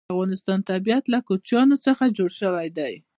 د افغانستان طبیعت له کوچیان څخه جوړ شوی دی.